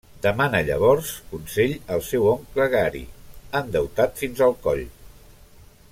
Demana llavors consell al seu oncle Gary, endeutat fins al coll.